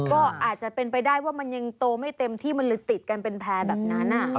ก็อาจจะเป็นไปได้ว่ามันยังโตไม่เต็มที่มันเลยติดกันเป็นแพร่แบบนั้น